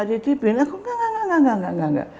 dititikin enggak enggak enggak